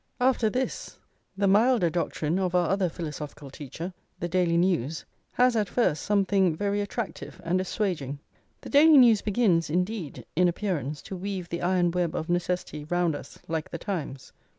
After this, the milder doctrine of our other philosophical teacher, the Daily News, has, at first, something very attractive and assuaging. The Daily News begins, indeed, in appearance, to weave the iron web of necessity round us like The Times.